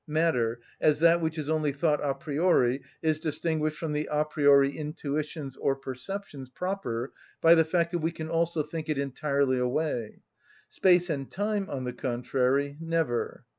Matter, as that which is only thought a priori, is distinguished from the a priori intuitions or perceptions proper by the fact that we can also think it entirely away; space and time, on the contrary, never.